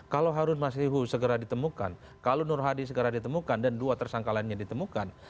kalau harun masihu segera ditemukan kalau nur hadi segera ditemukan dan dua tersangka lainnya ditemukan